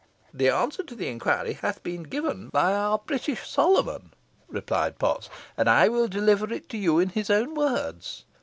"The answer to the inquiry hath been given by our British Solomon," replied Potts, "and I will deliver it to you in his own words.